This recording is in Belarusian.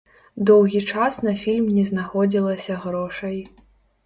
Доўгі час на фільм не знаходзілася грошай.